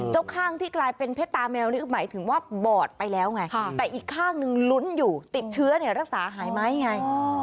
ข้างที่กลายเป็นเพชรตาแมวนี่ก็หมายถึงว่าบอดไปแล้วไงแต่อีกข้างนึงลุ้นอยู่ติดเชื้อรักษาหายไหมไง